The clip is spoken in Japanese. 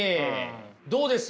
どうです？